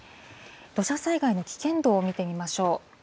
土砂災害の危険度を見てみましょう。